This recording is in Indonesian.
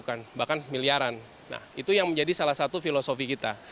itu yang dibutuhkan bahkan miliaran nah itu yang menjadi salah satu filosofi kita